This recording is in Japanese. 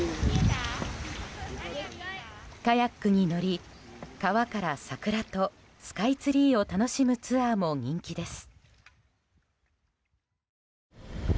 カヤックに乗り川から桜とスカイツリーを楽しむツアーも人気です。